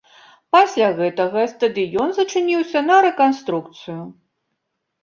Пасля гэтага стадыён зачыніўся на рэканструкцыю.